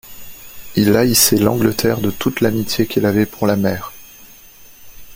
Il haïssait l’Angleterre de toute l’amitié qu’il avait pour la mer.